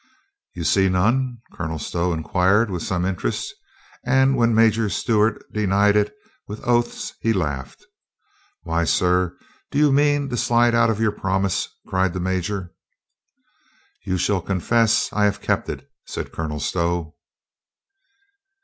"You see none?" Colonel Stow inquired with some interest, and when Major Stewart denied it with oaths he laughed. "Why, sir, do you mean to slide out of your prom ise?" cried the major. "You shall confess I have kept it," said Colonel Stow.